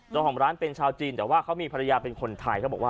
ตรงของร้านเป็นชาวจีนแต่ว่าเขามีภรรยาเป็นคนไทย